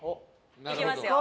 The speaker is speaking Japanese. いきますよ。